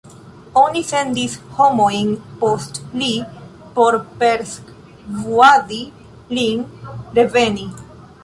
Oni sendis homojn post li por persvuadi lin reveni.